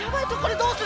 どうする？